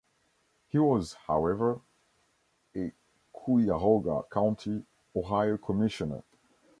He was, however, a Cuyahoga County, Ohio Commissioner.